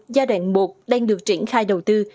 giai đoạn một đang được triển khai đầu tư